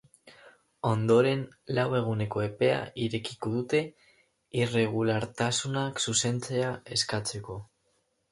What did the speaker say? Ondoren, lau eguneko epea irekiko dute irregulartasunak zuzentzea eskatzeko.